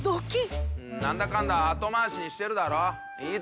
何だかんだ後回しにしてるだろ？